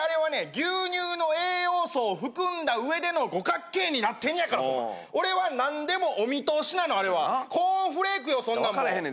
牛乳の栄養素を含んだうえでの五角形になってんねやから俺はなんでもお見通しなのあれはコーンフレークよそんなん分からへんねん